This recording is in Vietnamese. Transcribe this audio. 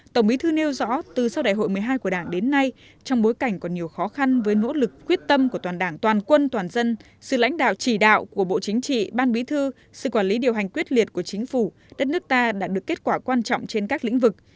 tổng bí thư nêu rõ từ sau đại hội một mươi hai của đảng đến nay trong bối cảnh còn nhiều khó khăn với nỗ lực quyết tâm của toàn đảng toàn quân toàn dân sự lãnh đạo chỉ đạo của bộ chính trị ban bí thư sự quản lý điều hành quyết liệt của chính phủ đất nước ta đạt được kết quả quan trọng trên các lĩnh vực